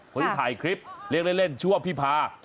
คนที่ถ่ายคลิปเรียกเล่นชื่อว่าพี่พา